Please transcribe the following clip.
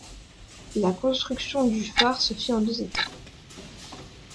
La construction du phare se fit en deux étapes.